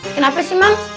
kenapa sih mams